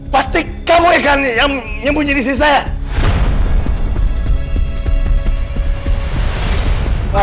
pasti kamu yang akan nyembunyi di sini saya